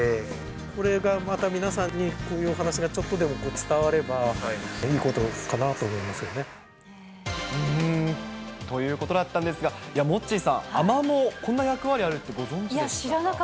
これがまた皆さんに、こういうお話がちょっとでも伝われば、いいことかなと思いますよということだったんですが、モッチーさん、アマモ、こんな役割あるってご存じでしたか。